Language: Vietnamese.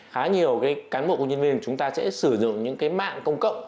khá nhiều cán bộ công nhân viên của chúng ta sẽ sử dụng những cái mạng công cộng